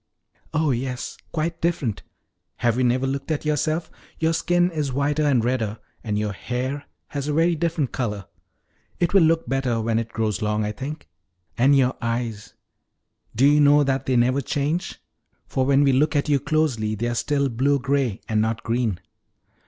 "Oh yes, quite different have you never looked at yourself? Your skin is whiter and redder, and your hair has a very different color. It will look better when it grows long, I think. And your eyes do you know that they never change! for when we look at you closely they are still blue gray, and not green."